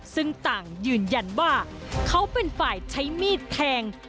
ซึ่งต่างยืนยันว่าเขาเป็นฝ่ายใช้มีดแทง